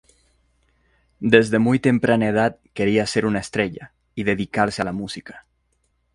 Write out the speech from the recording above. Desde muy temprana edad quería ser una estrella y dedicarse a la música.